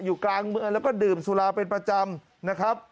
อยู่กลางเมืองแล้วก็ดื่มสุราเป็นประจำนะครับ